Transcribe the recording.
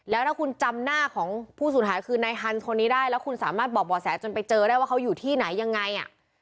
แล้วถ้าคุณจำหน้าของผู้สูญหายคือนายฮันคนนี้ได้แล้วคุณสามารถบอกบ่อแสจนไปเจอได้ว่าเขาอยู่ที่ไหนยังไงอ่ะ